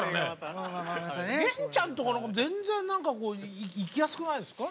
源ちゃんとか全然何か行きやすくないですか？